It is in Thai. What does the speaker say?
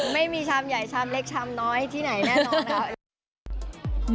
ไม่มีชามใหญ่ชามเล็กชามน้อยที่ไหนแน่นอนแล้ว